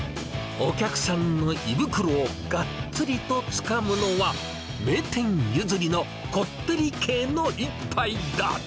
お客さんの胃袋をがっつりとつかむのは、名店譲りのこってり系の一杯だ。